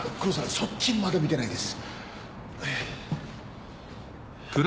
そっちまだ見てないです。